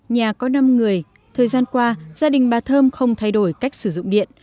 nhà có năm người thời gian qua gia đình bà thơm không thay đổi cách sử dụng điện